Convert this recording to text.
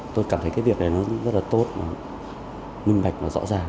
tôi cảm thấy việc này rất tốt minh mạch và rõ ràng